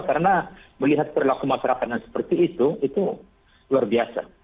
karena melihat perilaku masyarakat yang seperti itu itu luar biasa